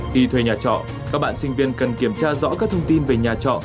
khi thuê nhà trọ các bạn sinh viên cần kiểm tra rõ các thông tin về nhà trọ